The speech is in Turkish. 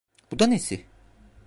Bu da nesi?